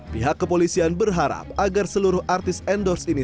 pihak kepolisian berharap agar seluruh artis endorse ini